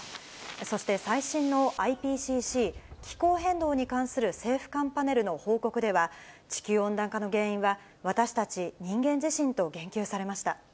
そして、最新のＩＰＣＣ・気候変動に関する政府間パネルの報告では、地球温暖化の原因は私たち人間自身と言及されました。